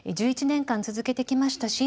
１１年間続けてきました